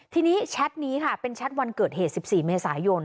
ทีนี้แชทนี้ค่ะเป็นแชทวันเกิดเหตุ๑๔เมษายน